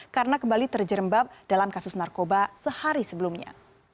karena kembali terjerembab dalam kasus narkoba sehari sebelumnya